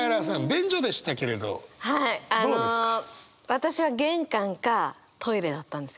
私は玄関かトイレだったんですよ。